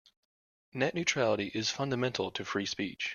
Net neutrality is fundamental to free speech.